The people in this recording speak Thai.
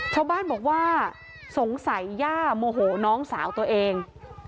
ชาวบ้านบอกว่าสงสัยย่าโมโหน้องสาวตัวเอง